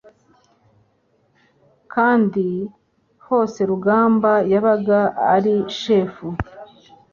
kandi hose Ramba yabaga ari shefu